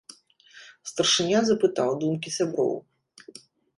Старшыня запытаў думкі сяброў.